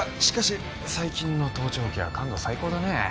しかし最近の盗聴器は感度最高だね。